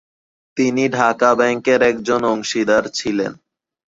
তিনি ঢাকা ব্যাংকের একজন অংশীদার ছিলেন।